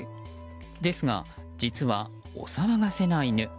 ですが、実はお騒がせな犬。